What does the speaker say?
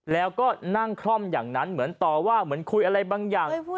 แล้วก็นั่งคล่อมอย่างนั้นเหมือนต่อว่าเหมือนคุยอะไรบางอย่าง